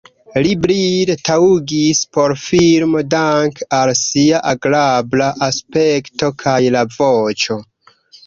Li brile taŭgis por filmo dank‘ al sia agrabla aspekto kaj la voĉo.